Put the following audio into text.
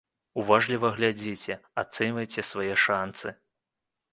Уважліва глядзіце, ацэньвайце свае шанцы.